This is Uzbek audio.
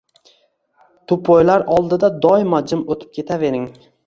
Tupoylar oldida doimo jim o‘tib ketavering!